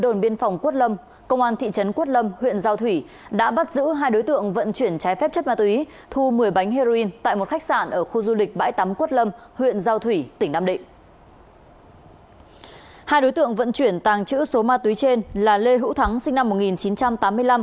hai đối tượng vận chuyển tàng trữ số ma túy trên là lê hữu thắng sinh năm một nghìn chín trăm tám mươi năm